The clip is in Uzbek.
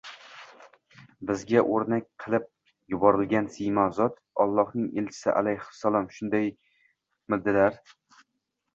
Bizga o‘rnak qilib yuborilgan siymo zot – Allohning elchisi alayhissalom shundaymidilar?...